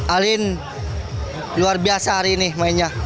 alin luar biasa hari ini mainnya